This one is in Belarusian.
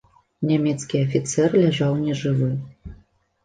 Нямецкі афіцэр ляжаў нежывы.